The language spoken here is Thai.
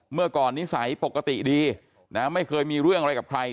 เมื่อก่อนนิสัยปกติดีนะไม่เคยมีเรื่องอะไรกับใคร